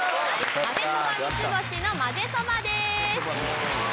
まぜそば三ツ星のまぜそばです。